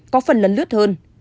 có phần lấn lướt hơn